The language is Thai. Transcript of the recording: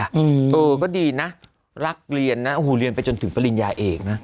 เออก็ดีนะรักเรียนนะโอ้โหเรียนไปจนถึงปริญญาเอกนะ